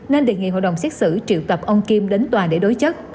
nên đề nghị hội đồng xét xử triệu tập ông kim đến tòa để đối chất